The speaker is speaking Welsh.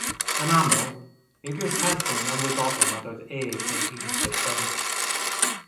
Yn aml, nid yw'r person yn ymwybodol nad oedd ef neu hi'n gwneud synnwyr.